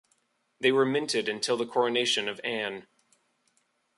They were minted until the coronation of Anne.